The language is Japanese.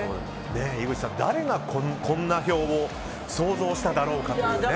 井口さん、誰がこんな表を想像しただろうかと。